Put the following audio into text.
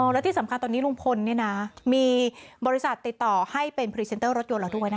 แล้วที่สำคัญตอนนี้ลุงพลนี่นะมีบริษัทติดต่อให้เป็นพรีเซนเตอร์รถยนต์เหรอทุกคน